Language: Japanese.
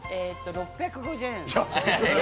６５０円。